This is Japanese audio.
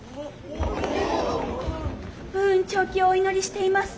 武運長久をお祈りしています。